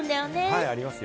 はい、ありますよ。